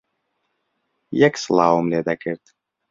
یەک سڵاوم لێ دەکرد